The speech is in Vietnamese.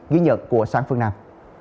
ghi nhận của sáng phương nam